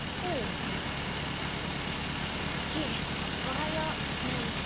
おはようメイ。